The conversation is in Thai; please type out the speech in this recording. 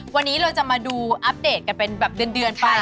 วันนี้เราจะมาดูอัปเดตกันเป็นแบบเดือนไป